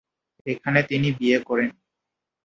এখানে তিনি বিয়ে করেন।